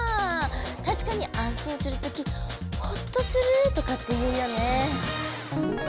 たしかに安心するときホッとするとかって言うよね。